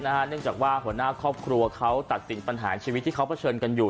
เนื่องจากว่าหัวหน้าครอบครัวเขาตัดสินปัญหาชีวิตที่เขาเผชิญกันอยู่